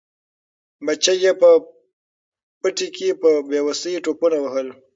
بچي یې په پټي کې په بې وسۍ ټوپونه وهل.